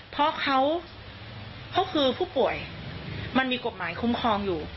เพราะเขาคือผู้ป่วยมันมีกฎหมายคุ้มครองอยู่